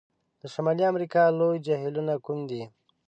د شمالي امریکا لوی جهیلونو کوم دي؟